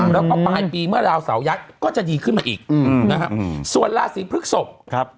แล้วก็ปลายปีเมื่อราวเสายัดก็จะดีขึ้นมาอีกนะฮะส่วนราศีพฤกษกครับ